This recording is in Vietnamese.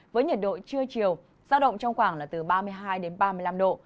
với nhiệt độ trưa chiều giao động trong khoảng là từ ba mươi hai đến ba mươi năm độ